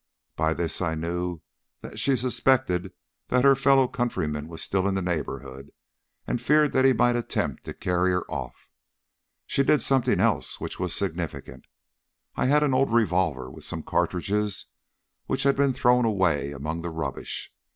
By this I knew that she suspected that her fellow countryman was still in the neighbourhood, and feared that he might attempt to carry her off. She did something else which was significant. I had an old revolver with some cartridges, which had been thrown away among the rubbish.